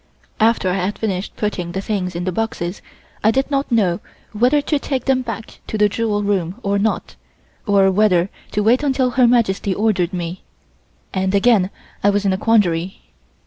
After I had finished putting the things in the boxes I did not know whether to take them back to the jewel room or not, or whether to wait until Her Majesty ordered me, and again I was in a quandary.